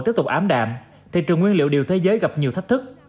tiếp tục ám đạm thị trường nguyên liệu điều thế giới gặp nhiều thách thức